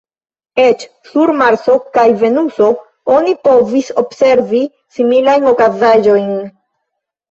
Eĉ sur Marso kaj Venuso oni povis observi similajn okazaĵojn.